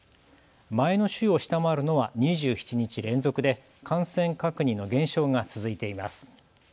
前の週を下回るのは２７日連続で感染確認の減少が続いています。